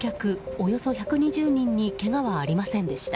およそ１２０人にけがはありませんでした。